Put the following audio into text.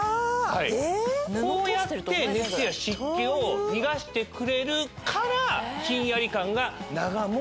こうやって熱や湿気を逃がしてくれるからひんやり感が長持ちする。